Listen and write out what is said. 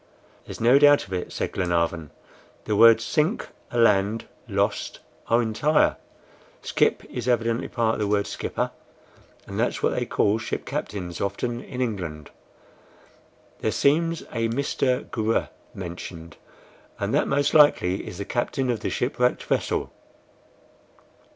"There's no doubt of it," said Glenarvan. "The words SINK, ALAND, LOST are entire; SKIPP is evidently part of the word SKIPPER, and that's what they call ship captains often in England. There seems a Mr. Gr. mentioned, and that most likely is the captain of the shipwrecked vessel."